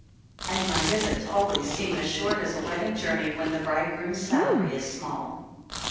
"And my visits always seem as short as a wedding jour ney when the bridegroom's salary is small."